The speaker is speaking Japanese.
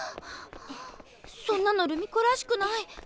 そんなの留美子らしくない。